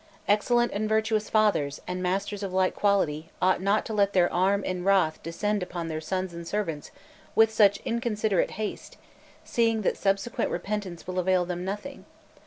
Excellent and virtuous fathers, and masters of like quality, ought not to let their arm in wrath descend upon their sons and servants with such inconsiderate haste, seeing that subsequent repentance will avail them nothing.